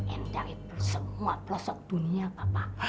and dari semua pelosok dunia papa